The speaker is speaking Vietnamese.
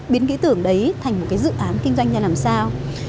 biến cái tưởng đấy thành một cái dự án kinh doanh ra làm sao